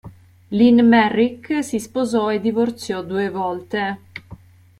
Lynn Merrick si sposò e divorziò due volte.